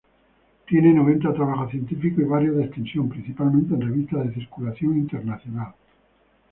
Tiene noventa trabajos científicos y varios de extensión, principalmente en revistas de circulación internacional.